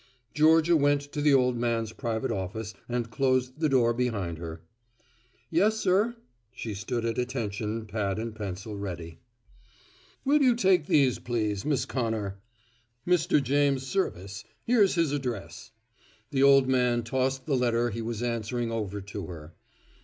Georgia went to the old man's private office and closed the door behind her. "Yes, sir." She stood at attention, pad and pencil ready. "Will you take these please, Miss Connor? Mr. James Serviss here's his address," the old man tossed the letter he was answering over to her.